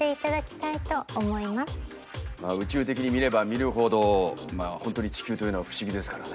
宇宙的に見れば見るほど本当に地球というのは不思議ですからね。